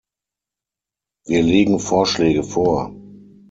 Wir legen Vorschläge vor.